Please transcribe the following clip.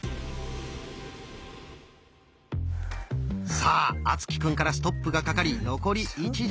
さあ敦貴くんからストップがかかり残り一巡！